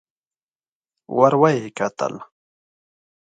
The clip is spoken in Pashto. ور ويې کتل.